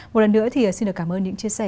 một lần nữa thì xin được cảm ơn những chia sẻ